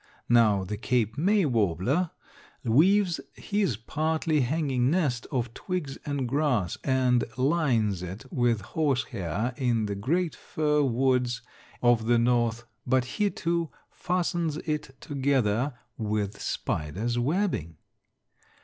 Now, the Cape May warbler weaves his partly hanging nest of twigs and grass, and lines it with horsehair in the great fir woods of the north, but he, too, fastens it together with spider's webbing.